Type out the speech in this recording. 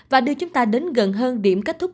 và đưa chúng ta đến gần hơn điểm kết thúc